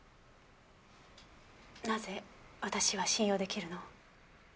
なぜ私は信用できるの？